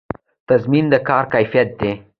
تضمین د کار د کیفیت دی